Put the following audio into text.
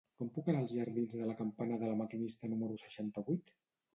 Com puc anar als jardins de la Campana de La Maquinista número seixanta-vuit?